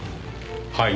はい？